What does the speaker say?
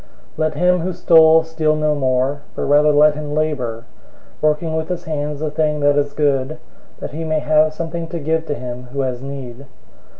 004:028 Let him who stole steal no more; but rather let him labor, working with his hands the thing that is good, that he may have something to give to him who has need.